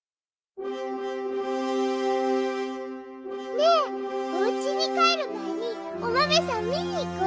ねえおうちにかえるまえにおまめさんみにいこう！